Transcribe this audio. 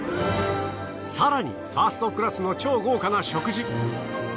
更にファーストクラスの超豪華な食事。